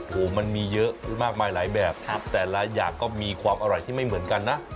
โอ้โหมันมีเยอะมากมายหลายแบบแต่ละอย่างก็มีความอร่อยที่ไม่เหมือนกันนะ